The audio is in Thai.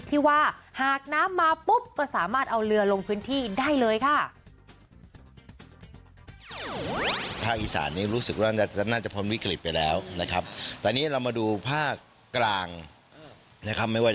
ที่ว่าหากน้ำมาปุ๊บก็สามารถเอาเรือลงพื้นที่ได้เลยค่ะ